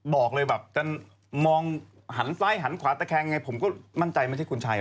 บอกเลยแบบจะมองหันซ้ายหันขวาตะแคงไงผมก็มั่นใจไม่ใช่คุณชัย